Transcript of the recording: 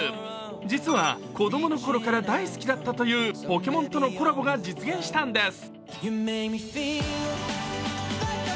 実は、子供のころから大好きだったというポケモンとのコラボが実現したんです。